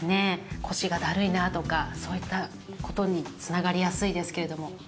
腰がダルいなとかそういった事につながりやすいですけれどもどうですか？